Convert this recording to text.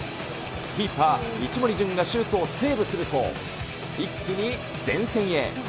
キーパー、一森純がシュートをセーブすると、一気に前線へ。